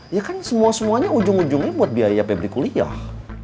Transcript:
ya kan semua semuanya ujung ujungnya buat biaya publik kuliah